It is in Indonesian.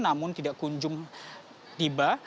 namun tidak kunjung tiba